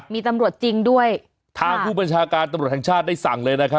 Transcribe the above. มีตำรวจจริงด้วยทางผู้บัญชาการตำรวจแห่งชาติได้สั่งเลยนะครับ